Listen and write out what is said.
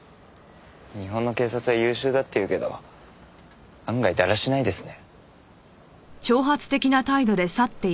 日本の警察は優秀だっていうけど案外だらしないですね。